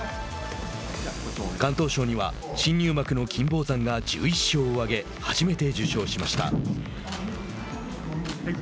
敢闘賞には新入幕の金峰山が１１勝を上げ初めて受賞しました。